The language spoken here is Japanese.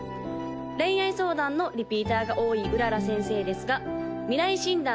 恋愛相談のリピーターが多い麗先生ですが未来診断